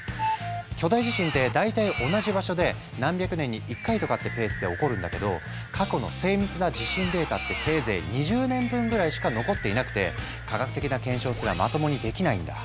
巨大地震って大体同じ場所で何百年に１回とかってペースで起こるんだけど過去の精密な地震データってせいぜい２０年分ぐらいしか残っていなくて科学的な検証すらまともにできないんだ。